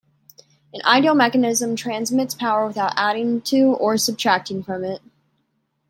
An ideal mechanism transmits power without adding to or subtracting from it.